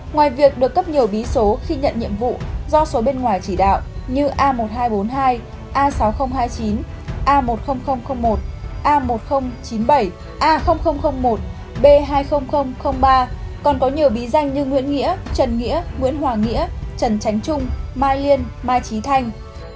ngoài việc được cấp nhiều bí số khi nhận nhiệm vụ do số bên ngoài chỉ đạo như a một nghìn hai trăm bốn mươi hai a sáu nghìn hai mươi chín a một mươi nghìn một a một nghìn chín mươi bảy a một b hai mươi nghìn ba còn có nhiều bí danh như nguyễn nghĩa trần nghĩa nguyễn hoàng nghĩa trần tránh trung mai liên mai trí thanh